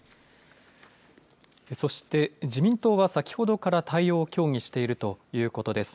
そして自民党は先ほどから対応を協議しているということです。